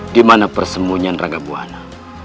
dimana persemunyian rangga buana